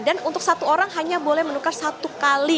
dan untuk satu orang hanya boleh menukar satu kali